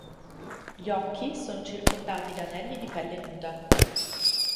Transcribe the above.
Gli occhi sono circondati da anelli di pelle nuda.